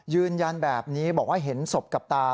ยืนยันแบบนี้บอกว่าเห็นศพกับตา